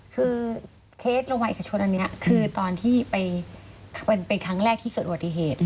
เคสโรงพยาบาลเอกชนอันนี้คือตอนที่ไปเป็นครั้งแรกที่เกิดอวติเหตุ